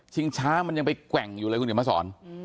ช้ามันยังไปแกว่งอยู่เลยคุณเดี๋ยวมาสอน